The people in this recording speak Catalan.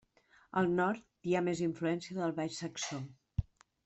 Al nord hi ha més influència del baix saxó.